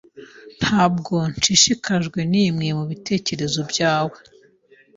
Ntabwo nshishikajwe nimwe mubitekerezo byawe.